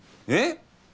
えっ？